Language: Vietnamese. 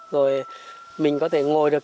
rồi mình có thể ngồi được